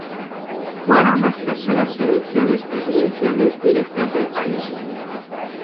Fueron las terceras elecciones presidenciales directas del país.